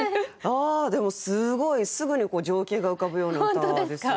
でもすごいすぐに情景が浮かぶような歌ですよね。